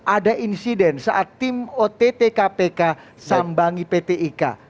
ada insiden saat tim ott kpk sambangi pt ika